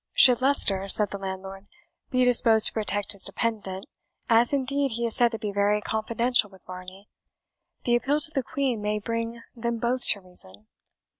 "Should Leicester," said the landlord, "be disposed to protect his dependant (as indeed he is said to be very confidential with Varney), the appeal to the Queen may bring them both to reason.